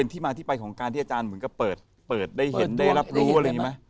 ที่อาจารย์เหมือนก็เปิดเปิดได้เห็นได้รับรู้อะไรอย่างนี้ไหม